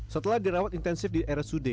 setelah dirawat intensif di rsud